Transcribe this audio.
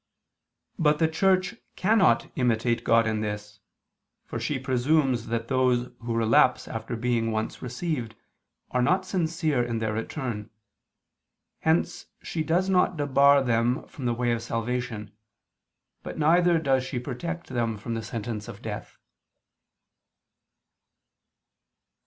But the Church cannot imitate God in this, for she presumes that those who relapse after being once received, are not sincere in their return; hence she does not debar them from the way of salvation, but neither does she protect them from the sentence of death.